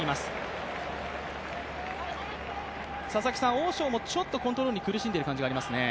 オウ・ショウもちょっとコントロールに苦しんでいる感じがありますね。